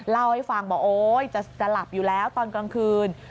เล่าให้ฟังบอกโอ๊ยจะหลับอยู่แล้วตอนกลางคืน